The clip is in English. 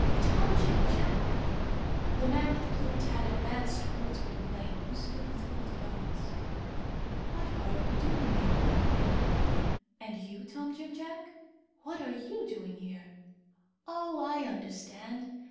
"Tom Jim Jack!" The man with the plumed hat advanced towards Gwynplaine, who stood with folded arms. "What are you doing here, Gwynplaine?" "And you, Tom Jim Jack, what are you doing here?" "Oh! I understand.